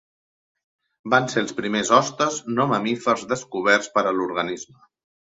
Van ser els primers hostes no mamífers descoberts per a l'organisme.